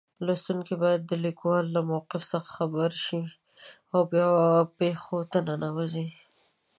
لوستونکی باید د لیکوال له موقف څخه خبر شي او بیا پېښو ته ننوځي.